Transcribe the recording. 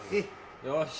よし。